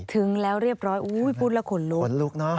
ถึงแล้วเรียบร้อยอุ๊ยปุ้นแล้วขนลุก